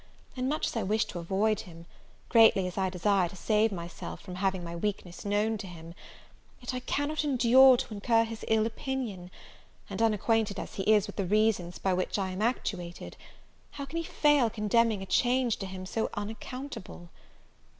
And much as I wished to avoid him, greatly as I desire to save myself from having my weakness known to him, yet I cannot endure to incur his ill opinion, and, unacquainted as he is with the reasons by which I am actuated, how can he fail contemning a change to him so unaccountable?